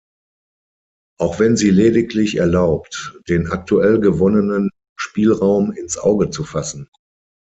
Auch wenn sie lediglich erlaubt, den aktuell gewonnenen Spielraum ins Auge zu fassen.